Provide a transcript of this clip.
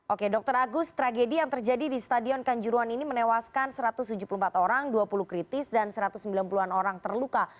oke dr agus tragedi yang terjadi di stadion kanjuruan ini menewaskan satu ratus tujuh puluh empat orang dua puluh kritis dan satu ratus sembilan puluh an orang terluka